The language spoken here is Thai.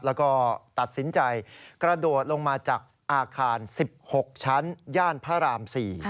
แล้วก็ตัดสินใจกระโดดลงมาจากอาคาร๑๖ชั้นย่านพระราม๔